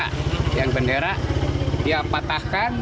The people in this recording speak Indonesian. tiang bendera dia patahkan